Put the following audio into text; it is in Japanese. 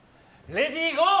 レディーゴー！